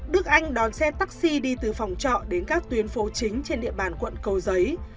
đức anh đón xe taxi đi từ phòng trọ đến các tuyến phố chính trên địa bàn quận cầu giấy